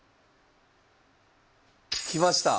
来ました。